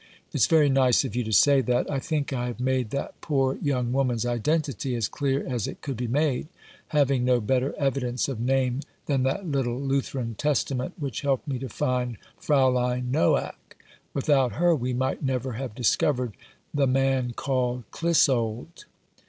"It's very nice of you to say that. I think I have made that poor young woman's identity as clear as it could be made — having no better evi dence of name than that little Lutheran Testament, which helped me to find Fraulein Noack. Without her we might never have discovered the man called Clissold."